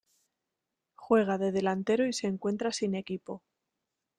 Juega de delantero y se encuentra sin equipo.